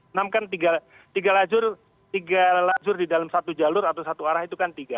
enam kan tiga lajur tiga lajur di dalam satu jalur atau satu arah itu kan tiga